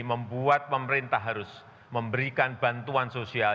membuat pemerintah harus memberikan bantuan sosial